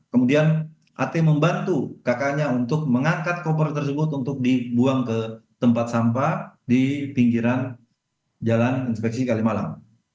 kemudian at membantu kakaknya untuk mengangkat koper tersebut untuk dibuang ke tempat sampah di pinggiran jalan inspeksi kalimalang